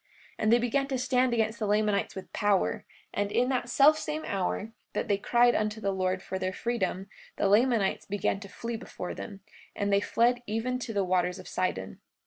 43:50 And they began to stand against the Lamanites with power; and in that selfsame hour that they cried unto the Lord for their freedom, the Lamanites began to flee before them; and they fled even to the waters of Sidon.